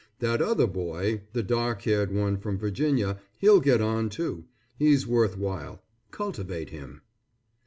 That other boy, the dark haired one from Virginia, he'll get on too; he's worth while, cultivate him.